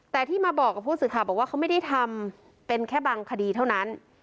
แต่ที่มาบอกกับผู้สื่อข่าวบอกว่าเขาไม่ได้ทำเป็นแค่บางคดีเท่านั้น